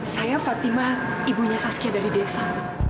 saya fatimah ibunya saskia dari desa